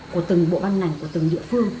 của từng bộ ban ngành của từng địa phương